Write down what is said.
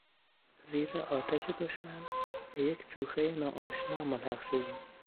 زیر آتش دشمن به یک جوخهی ناآشنا ملحق شدیم.